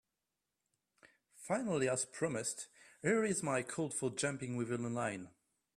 Finally, as promised, here is my code for jumping within a line.